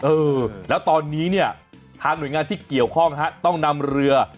เออแล้วตอนนี้เนี่ยทางหน่วยงานที่เกี่ยวข้องฮะต้องนำเรือ